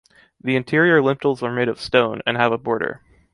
The interior lintels are made of stone, and have a border.